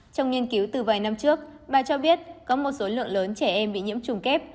trong nghiên cứu từ vài năm trước bà cho biết có một số lượng lớn trẻ em bị nhiễm trùng kép